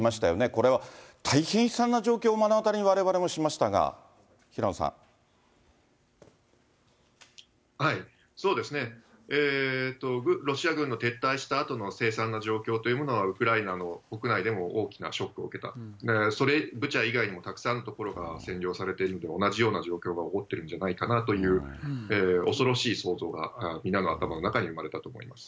これは大変悲惨な状況を目の当たりにわれわれもしましたが、平野そうですね、ロシア軍の撤退したあとの凄惨な状況というものは、ウクライナの国内でも大きなショックを受けた、それ、ブチャ以外にもたくさんの所が占領されているで、同じような状況が起こってるんじゃないかなという、恐ろしい想像がみんなの頭の中に生まれたと思います。